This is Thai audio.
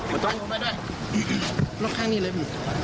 มีอะไรอยากจะขอโทษ